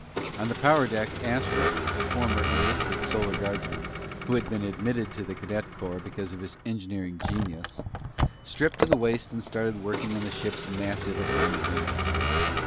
On the power deck Astro, a former enlisted Solar Guardsman who had been admitted to the Cadet Corps because of his engineering genius, stripped to the waist and started working on the ship's massive atomic engines.